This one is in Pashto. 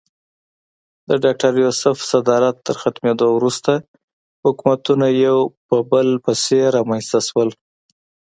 د ډاکټر یوسف صدارت تر ختمېدو وروسته حکومتونه یو پر بل پسې رامنځته شول.